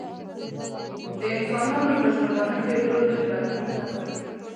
د انسانانو په ژوندانه کې ډیر بدلونونه راغلي دي.